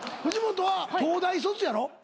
藤本は東大卒やろ？